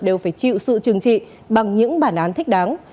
đều phải chịu sự trừng trị bằng những bản án thích đáng